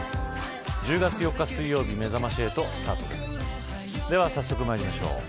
１０月４日水曜日めざまし８スタートですでは早速まいりましょう。